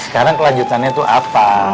sekarang kelanjutannya tuh apa